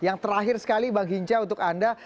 yang terakhir sekali bang hinca untuk anda